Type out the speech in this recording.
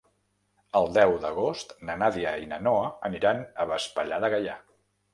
El deu d'agost na Nàdia i na Noa aniran a Vespella de Gaià.